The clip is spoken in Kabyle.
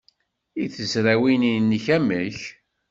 I tezrawin-nnek, amek?